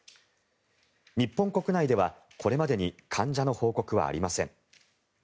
日本国内ではこれまでに患者の報告はありません。